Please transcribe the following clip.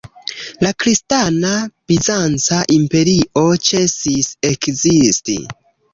La kristana Bizanca imperio ĉesis ekzisti.